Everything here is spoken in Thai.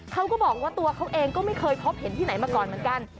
เขาก็บอกว่าตัวเขาเองก็ไม่เคยพบเห็นที่ไหนมาก่อนเหมือนกัน